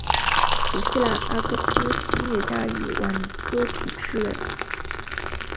古希腊阿哥斯音乐家与挽歌体诗人。